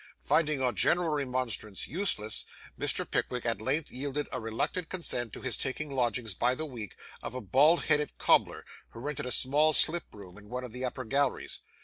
Finding all gentle remonstrance useless, Mr. Pickwick at length yielded a reluctant consent to his taking lodgings by the week, of a bald headed cobbler, who rented a small slip room in one of the upper galleries.